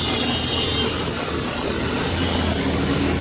kota yang terkenal dengan